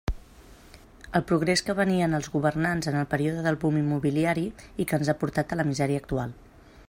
El progrés que venien els governants en el període del boom immobiliari i que ens ha portat a la misèria actual.